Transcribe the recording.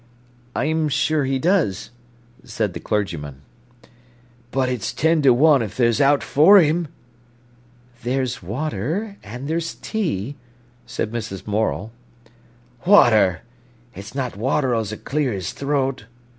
"I am sure he does," said the clergyman. "But it's ten to one if there's owt for him." "There's water—and there's tea," said Mrs. Morel. "Water! It's not water as'll clear his throat."